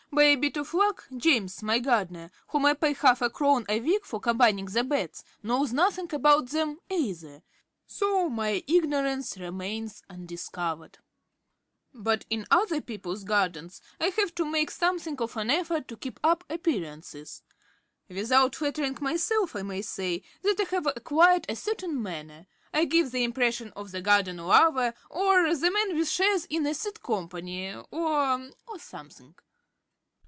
By a bit of luck, James, my gardener, whom I pay half a crown a week for combing the beds, knows nothing about them either; so my ignorance remains undiscovered. But in other people's gardens I have to make something of an effort to keep up appearances. Without flattering myself I may say that I have acquired a certain manner; I give the impression of the garden lover, or the man with shares in a seed company, or or something.